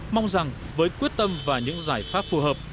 mong rằng với quyết tâm và những giải pháp phù hợp